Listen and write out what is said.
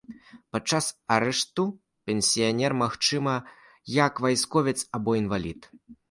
Падчас арышту пенсіянер, магчыма, як вайсковец або інвалід.